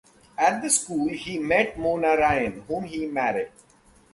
At the school he met Mona Ryan whom he married.